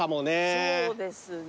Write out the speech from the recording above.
そうですね。